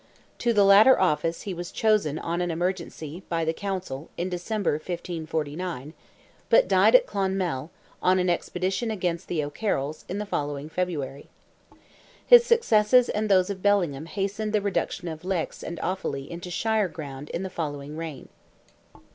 To the latter office he was chosen on an emergency, by the Council, in December, 1549, but died at Clonmel, on an expedition against the O'Carrolls, in the following February. His successes and those of Bellingham hastened the reduction of Leix and Offally into shire ground in the following reign.